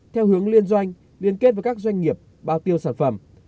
theo hướng liên doanh liên kết với các doanh nghiệp bao tiêu sản phẩm